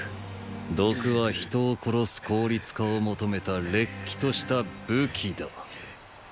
毒は人を殺す効率化を求めたれっきとした“武器”だ。